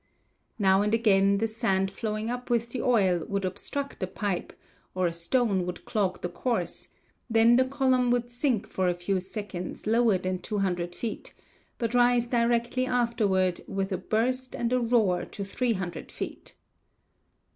Now and again the sand flowing up with the oil would obstruct the pipe or a stone would clog the course; then the column would sink for a few seconds lower than 200 feet, but rise directly afterward with a burst and a roar to 300 feet....